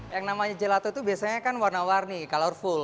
yang namanya gelato itu biasanya kan warna warni colorful